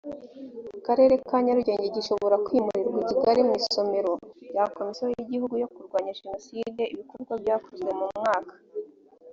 karere ka nyarugenge gishobora kwimurirwa ikigalimu isomero rya komisiyo y gihugu yo kurwanya jenoside ibikorwa byakozwe mu mwaka